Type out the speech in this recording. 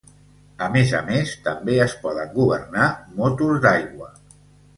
A més a més també es poden governar motos d'aigua.